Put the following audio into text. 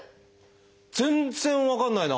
全然分かんないな。